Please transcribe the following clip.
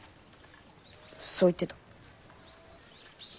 そう言ってた。